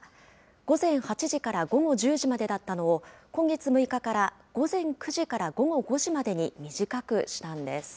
午前８時から午後１０時までだったのを、今月６日から午前９時から午後５時までに短くしたんです。